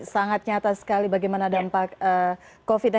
sangat nyata sekali bagaimana dampak covid sembilan belas